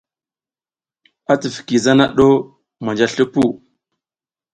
I tifiki zana ɗu manja slipuw.